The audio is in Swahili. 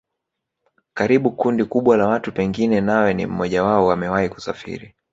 Karibu kundi kubwa la watu pengine nawe ni mmoja wao wamewahi kusafiri